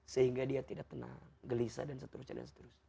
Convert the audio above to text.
sehingga dia tidak tenang gelisah dan seterusnya